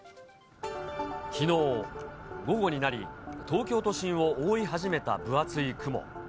きのう午後になり、東京都心を覆い始めた分厚い雲。